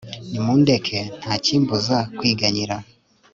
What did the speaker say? nimundeke, nta kimbuza kwiganyira